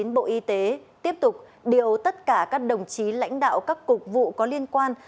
bộ y tế tiếp tục điều tất cả các đồng chí lãnh đạo các cục vụ có liên quan